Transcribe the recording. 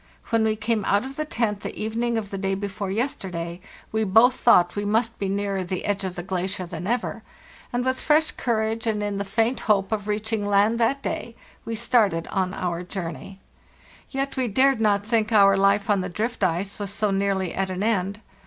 When we came out of the tent the evening of the day before yesterday we both thought 334 FPARTHEST NORTE we must be nearer the edge of the glacier than ever, and with fresh courage, and in the faint hope of reach ing land that day, we started on our journey. Yet we dared not think our life on the drift ice was so nearly at an end.